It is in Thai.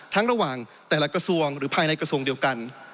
ระหว่างแต่ละกระทรวงหรือภายในกระทรวงเดียวกัน